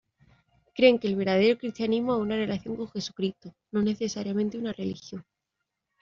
Creen que el verdadero cristianismo es una relación con Jesucristo, no necesariamente una religión.